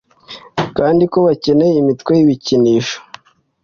kandi ko bakeneye imitwe y'ibikinisho